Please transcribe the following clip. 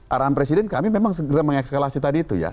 arahan presiden kami memang segera mengekskalasi tadi itu ya